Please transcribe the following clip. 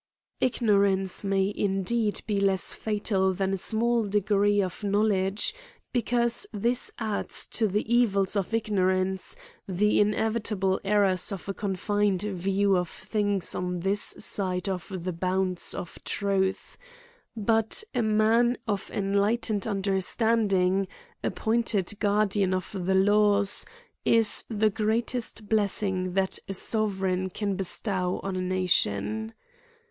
Ignorance may indeed be less fatal than a small degree of knowledge, because this adds to the evils of ignorance, the inevitable errors of a confined view of things on this side the bounds of truth ; but a man of enlightened understanding, appointed guardian of the laws, is the greatest blessing that a sovereign can bestow on a nation.